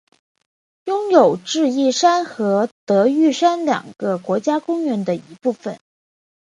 拥有智异山和德裕山两个国家公园的一部份。